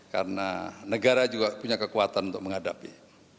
karena negara juga punya kekuatan untuk menghadapi